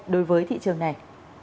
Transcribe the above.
đối với thị trường này